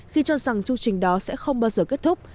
khi cho rằng chương trình đó sẽ không bao giờ kết thúc